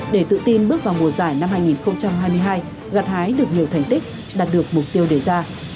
để tự tin bước vào mùa giải năm hai nghìn hai mươi hai gặt hái được nhiều thành tích đạt được mục tiêu đề ra